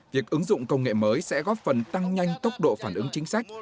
việc ứng dụng công nghệ mới sẽ góp phần tăng nhanh tốc độ phản ứng chính sách